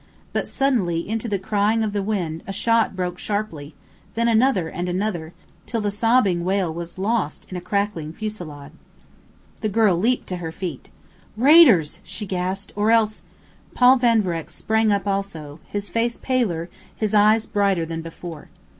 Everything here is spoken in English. But suddenly, into the crying of the wind, a shot broke sharply; then another and another, till the sobbing wail was lost in a crackling fusillade. The girl leaped to her feet. "Raiders!" she gasped. "Or else " Paul Van Vreck sprang up also, his face paler, his eyes brighter than before.